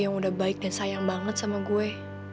yang udah baik dan sayang banget sama gue